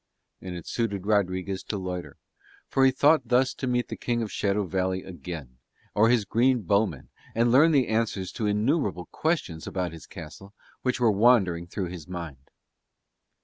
And it suited Rodriguez to loiter, for he thought thus to meet the King of Shadow Valley again or his green bowmen and learn the answers to innumerable questions about his castle which were wandering through his mind.